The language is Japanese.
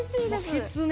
きつね